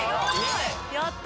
やった！